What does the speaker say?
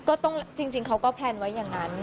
จริงเขาก็แพลนไว้อย่างนั้น